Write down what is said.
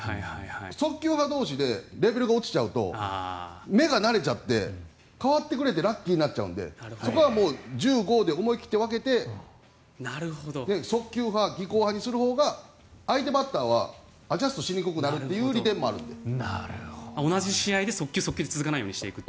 速球派同士でレベルが落ちちゃうと目が慣れて代わってくれてラッキーになるのでそこは重剛で分けて速球派、技巧派にするほうが相手バッターはアジャストしにくくなるという同じ速球で速球、速球で続かないようにしていくと。